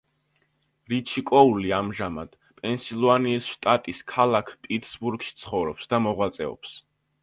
რიჩი კოული ამჟამად პენსილვანიის შტატის ქალქ პიტსბურგში ცხოვრობს და მოღვაწეობს.